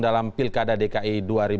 dalam pilkada dki dua ribu tujuh belas